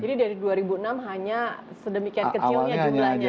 dari dua ribu enam hanya sedemikian kecilnya jumlahnya